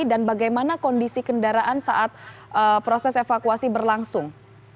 dan bagaimana kondisi kendaraan saat proses evakuasi berlangsung